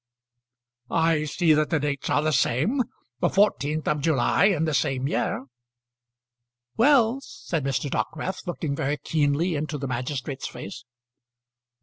"I see that the dates are the same; the 14th of July in the same year." "Well," said Mr. Dockwrath, looking very keenly into the magistrate's face.